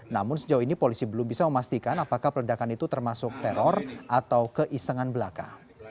namun sejauh ini polisi belum bisa memastikan apakah peledakan itu termasuk teror atau keisengan belaka